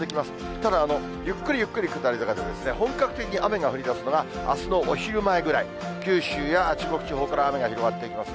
ただ、ゆっくりゆっくり下り坂で、本格的に雨が降りだすのは、あすのお昼前ぐらい、九州や中国地方から雨が広がっていきますね。